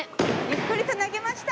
ゆっくりと投げました！